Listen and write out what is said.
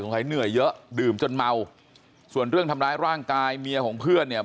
เหนื่อยเยอะดื่มจนเมาส่วนเรื่องทำร้ายร่างกายเมียของเพื่อนเนี่ย